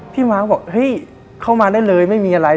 ม้าก็บอกเฮ้ยเข้ามาได้เลยไม่มีอะไร